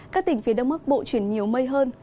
các tỉnh phía đông bắc bộ chuyển nhiều mây hơn